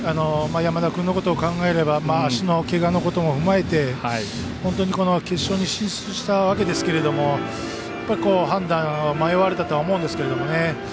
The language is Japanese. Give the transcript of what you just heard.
山田君のことを考えれば足のけがのこともふまえて決勝に進出したわけですけども判断を迷われたと思うんですけどね。